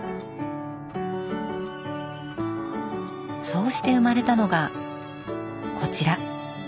そうして生まれたのがこちら。